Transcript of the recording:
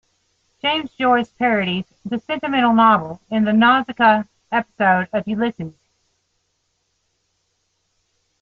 James Joyce parodies the sentimental novel in the "Nausicaa" episode of "Ulysses".